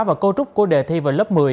và cấu trúc của đề thi vào lớp một mươi